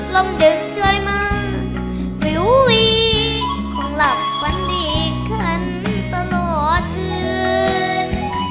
ลมดึกช่วยมันวิววีคงหลับฝันดีขันตลอดพื้น